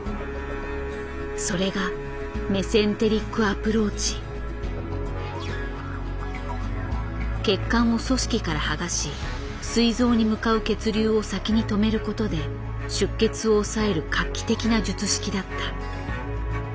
それが血管を組織から剥がしすい臓に向かう血流を先に止めることで出血を抑える画期的な術式だった。